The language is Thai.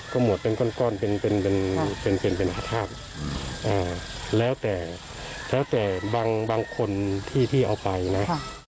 ข้มหมวดเป็นก้อนเป็นพระธาตุแล้วแต่บางคนที่พี่เอาไปนะ